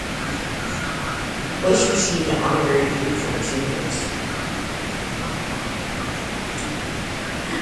Bush received an honorary degree from the University.